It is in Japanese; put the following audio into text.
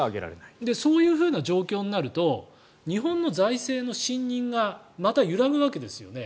そういうふうな状況になると日本の財政の信認がまた揺らぐわけですよね。